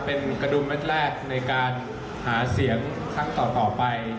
เป็นกระดุมเม็ดแรกในการหาเสียงครั้งต่อไป